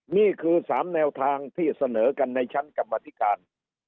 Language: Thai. นี่คือ๓แนวทางที่เสนอกันในชั้นกรรมธิการ